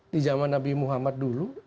di zaman nabi muhammad dulu